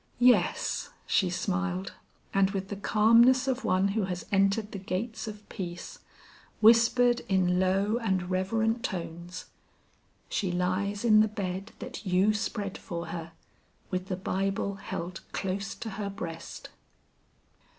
"Yes," she smiled; and with the calmness of one who has entered the gates of peace, whispered in low and reverent tones: "She lies in the bed that you spread for her, with the Bible held close to her breast."